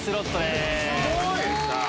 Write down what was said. すごい！